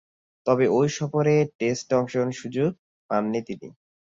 তবে ঐ সফরে কোন টেস্টে অংশগ্রহণের সুযোগ পাননি তিনি।